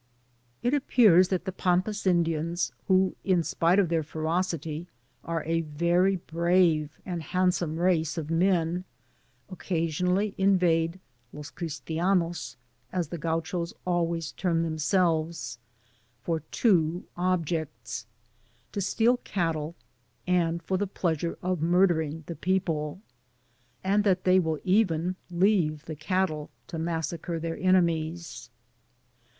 It appears that the Pampas Indians, who, in spite of their ferocity, are a very brave and hand some race of men, occasionally invade ^^ los Cris r tianos,^ as the Gauchos always term themselves, for two objects — to steal cattle, and for the plea., sure of murdmng the people; and that they will even leave the cattle to massacre thmr enemies.